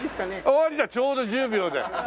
終わりだちょうど１０秒で。